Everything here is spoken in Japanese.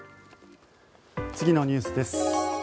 次のニュースです。